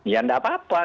ya tidak apa apa